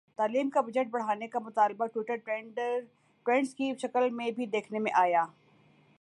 تعلیم کا بجٹ بڑھانے کا مطالبہ ٹوئٹر ٹرینڈز کی شکل میں بھی دیکھنے میں آیا